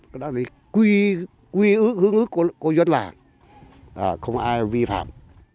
cái đó là quy ước hướng ước của dân làng không ai vi phạm